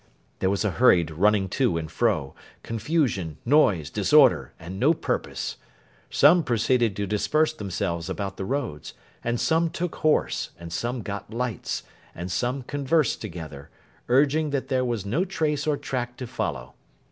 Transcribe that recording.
There was a hurried running to and fro, confusion, noise, disorder, and no purpose. Some proceeded to disperse themselves about the roads, and some took horse, and some got lights, and some conversed together, urging that there was no trace or track to follow.